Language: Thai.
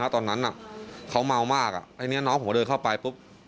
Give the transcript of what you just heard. ตอนนั้นเขาเมามากน้องผมก็เดินเข้าไปปุ๊บ